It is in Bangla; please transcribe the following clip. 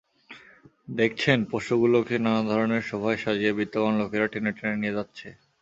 দেখছেন, পশুগুলোকে নানা ধরনের শোভায় সাজিয়ে বিত্তবান লোকেরা টেনে টেনে নিয়ে যাচ্ছে।